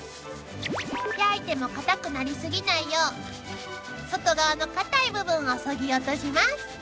［焼いても硬くなり過ぎないよう外側の硬い部分をそぎ落とします］